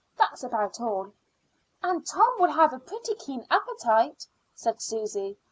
That's about all." "And Tom will have a pretty keen appetite," said Susy.